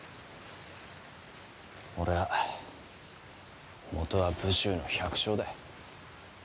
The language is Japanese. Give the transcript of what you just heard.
俺はもとは武州の百姓だ。